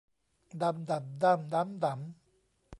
ดำ ด่ำ ด้ำ ด๊ำ ด๋ำ